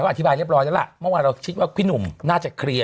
อธิบายเรียบร้อยแล้วล่ะเมื่อวานเราคิดว่าพี่หนุ่มน่าจะเคลียร์